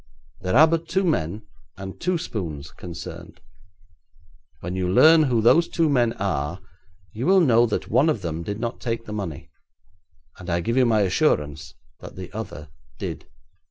There are but two men and two spoons concerned. When you learn who those two men are, you will know that one of them did not take the money, and I give you my assurance that the other did.'